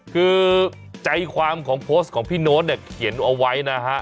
คือใจความของโพสต์ของพี่โน๊ตเนี่ยเขียนเอาไว้นะฮะ